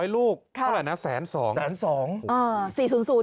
๔๐๐ลูกเท่าไหร่นะแสนสอง